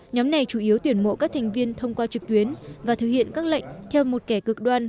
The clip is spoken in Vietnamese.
nhóm này chủ yếu tuyển mộ các thành viên thông qua trực tuyến và thực hiện các lệnh theo một kẻ cực đoan